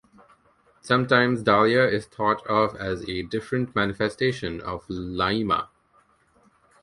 Sometimes Dalia is thought of as a different manifestation of Laima.